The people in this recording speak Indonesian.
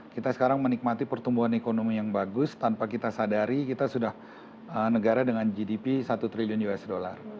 kita sekarang menikmati pertumbuhan ekonomi yang bagus tanpa kita sadari kita sudah negara dengan gdp satu triliun usd